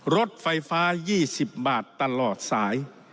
รถไฟฟ้า๒๐บาทตลอดสาย